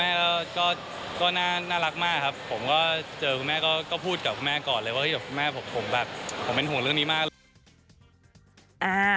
คุณแม่ก็น่ารักมากครับผมเจอคุณแม่ก็พูดกับคุณแม่ก่อนเลยว่าผมเป็นห่วงเรื่องนี้มาก